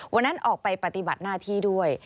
วันนั้นออกไปปฏิบัติหน้าที่ด้วย